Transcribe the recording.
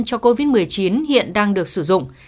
cho covid một mươi chín hiện đang được sử dụng